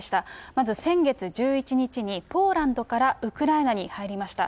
まず先月１１日にポーランドからウクライナに入りました。